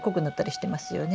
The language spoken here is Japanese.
してますよね？